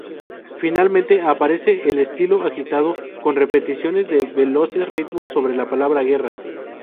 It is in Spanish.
Finalmente, aparece el estilo agitado, con repeticiones de veloces ritmos sobre la palabra guerra..